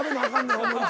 よかった。